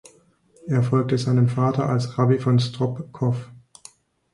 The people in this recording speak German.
Er folgte seinem Vater als Rabbi von Stropkov.